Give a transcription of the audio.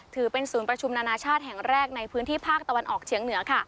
ถือเป็นศูนย์ประชุมนานาชาติแห่งแรกในพื้นที่ภาคตะวันออกเฉียงเหนือค่ะ